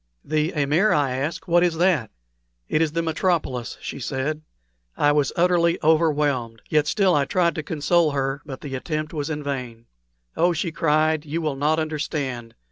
"The amir?" I asked; "what is that?" "It is the metropolis," said she. I was utterly overwhelmed, yet still I tried to console her; but the attempt was vain. "Oh!" she cried, "you will not understand.